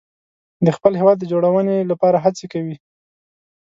د خپل هیواد جوړونې لپاره هڅې کوي.